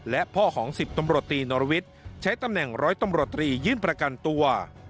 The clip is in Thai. และพ่อของ๑๐ตำรวจตีนรวิทย์ใช้ตำแหน่งร้อยตำรวจตรียื่นประกันตัว